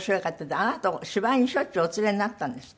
あなたを芝居にしょっちゅうお連れになったんですって？